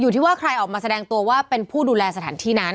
ที่ว่าใครออกมาแสดงตัวว่าเป็นผู้ดูแลสถานที่นั้น